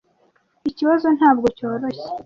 Ikibazo ntabwo cyoroshye.